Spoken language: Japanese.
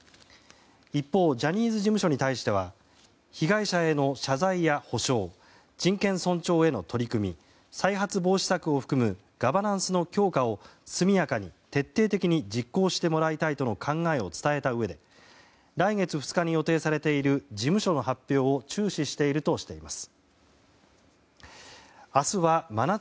一方ジャニーズ事務所に対しては被害者への謝罪や補償人権尊重への取り組み再発防止策を含むガバナンスの強化を速やかに徹底的に実行してもらいたいとの考えを伝えたうえで来月２日に予定されている事務所の発表を注視しているとしています。